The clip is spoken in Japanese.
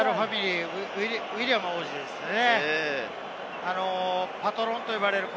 ロイヤルファミリー、ウィリアム王子ですね。